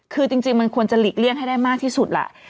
คือจริงมันควรจะหลีกเลี่ยงให้ได้มากที่สุดล่ะ